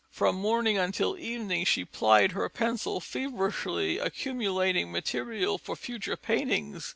From morning until evening she plied her pencil feverishly, accumulating material for future paintings.